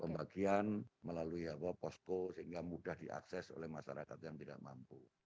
lalu kita lakukan melalui posko sehingga mudah diakses oleh masyarakat yang tidak mampu